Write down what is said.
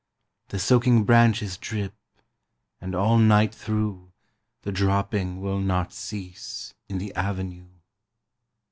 The soaking branches drip, And all night through The dropping will not cease In the avenue.